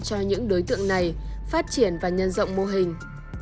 cho những đối tượng này phát triển và nhân rộng mô hình